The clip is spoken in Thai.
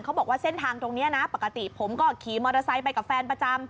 เขาบอกว่าเส้นทางตรงนี้นะปกติผมก็ขี่มอเตอร์ไซค์ไปกับแฟนประจำ